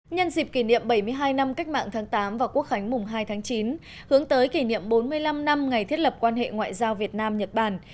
nhân dịp kỷ niệm bảy mươi hai năm cách mạng tháng tám và quốc khánh mùng hai tháng chín hướng tới kỷ niệm bốn mươi năm năm ngày thiết lập quan hệ ngoại giao việt nam nhật bản